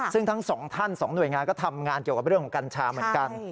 ซึ่งทั้งสองท่านสองหน่วยงานก็ทำงานเกี่ยวกับเรื่องของกัญชาเหมือนกัน